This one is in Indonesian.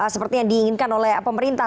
seperti yang diinginkan oleh pemerintah